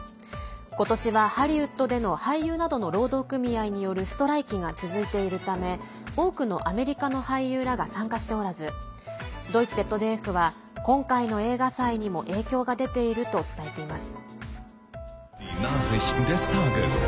今年はハリウッドでの俳優などの労働組合によるストライキが続いているため多くのアメリカの俳優らが参加しておらずドイツＺＤＦは今回の映画祭にも影響が出ていると伝えています。